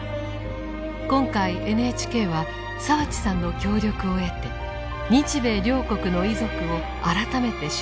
今回ＮＨＫは澤地さんの協力を得て日米両国の遺族を改めて取材。